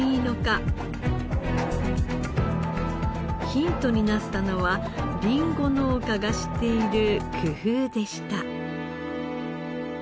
ヒントになったのはリンゴ農家がしている工夫でした。